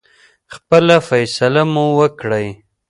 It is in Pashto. خپله فیصله مو وکړی.